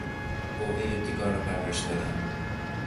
قوهٔ ابتکار را پرورش دادن.